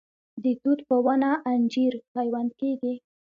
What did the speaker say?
د توت په ونه انجیر پیوند کیږي؟